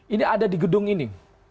ini ada di gedung ini